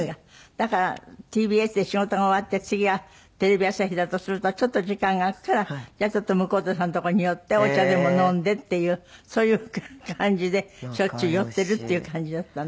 だからＴＢＳで仕事が終わって次がテレビ朝日だとするとちょっと時間が空くからちょっと向田さんのとこに寄ってお茶でも飲んでっていうそういう感じでしょっちゅう寄ってるっていう感じだったんで。